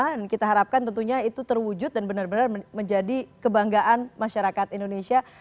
dan kita harapkan tentunya itu terwujud dan benar benar menjadi kebanggaan masyarakat indonesia